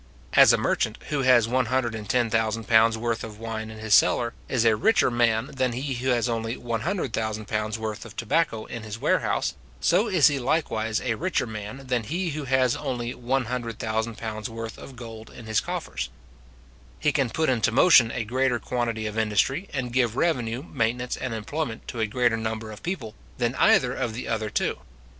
As a merchant, who has £110,000 worth of wine in his cellar, is a richer man than he who has only £100,000 worth of tobacco in his warehouse, so is he likewise a richer man than he who has only £100,000 worth of gold in his coffers. He can put into motion a greater quantity of industry, and give revenue, maintenance, and employment, to a greater number of people, than either of the other two.